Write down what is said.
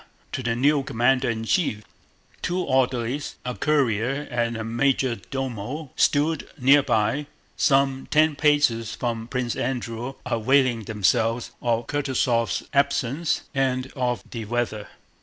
to the new commander in chief. Two orderlies, a courier and a major domo, stood near by, some ten paces from Prince Andrew, availing themselves of Kutúzov's absence and of the fine weather.